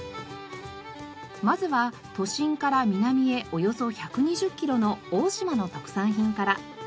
まずは都心から南へおよそ１２０キロの大島の特産品から。